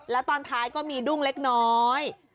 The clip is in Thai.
แล้วตอนท้ายก็มีดุ้งเล็กน้อย